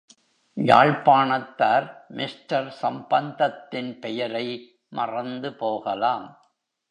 யாழ்ப்பாணத்தார் mister சம்பந்தத்தின் பெயரை மறந்து போகலாம்.